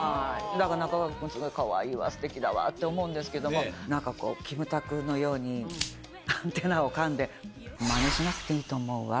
なんか、中川君、かわいいわ、すてきだわって思うんですけど、なんかこう、キムタクのように、アンテナをかんで、まねしなくていいと思うわ。